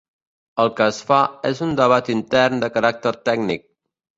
El que es fa és un debat intern de caràcter tècnic.